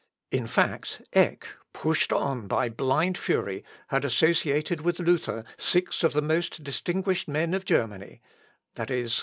In fact, Eck, pushed on by blind fury, had associated with Luther six of the most distinguished men of Germany, viz.